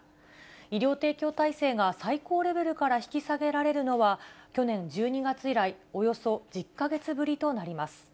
医療提供体制が最高レベルから引き下げられるのは、去年１２月以来、およそ１０か月ぶりとなります。